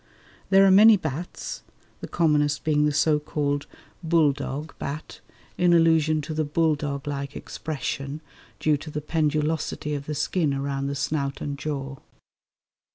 There are many bats, the commonest being the so called bulldog bat, in allusion to the bulldog like expression due to the pendulosity of the skin around the snout and jaw.